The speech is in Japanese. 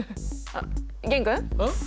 あっ玄君ん？